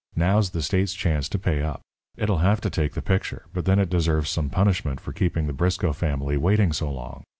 Now's the state's chance to pay up. It'll have to take the picture, but then it deserves some punishment for keeping the Briscoe family waiting so long.